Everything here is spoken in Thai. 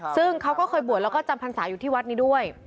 ซึ่งเขาก็เคยบวชแล้วก็จำพรรษาอยู่ที่วัดนี้ด้วย